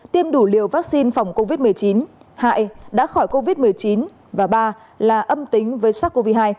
tiêm đủ liều vaccine phòng covid một mươi chín hại đã khỏi covid một mươi chín và ba là âm tính với sars cov hai